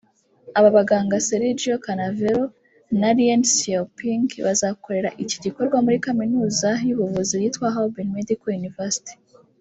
Aba baganga Sergio Canavero na Ren Xiaoping bazakorera iki gikorwa muri Kaminuza y’ubuvuzi yitwa Harbin Medical University